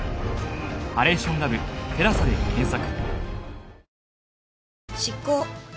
「ハレーションラブテラサ」で検索